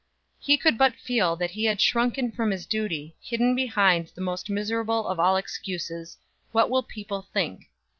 He could but feel that he had shrunken from his duty, hidden behind that most miserable of all excuses: "What will people think?"